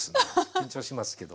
緊張しますけど。